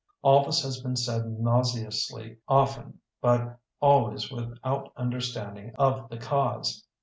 All this has been said nauseously often but always with out understanding of the cause.